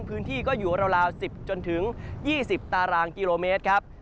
พื้นที่ก็อยู่ราว๑๐จนถึง๒๐ตารางกิโลเมตรครับ